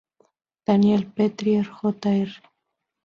Daniel Petrie Jr.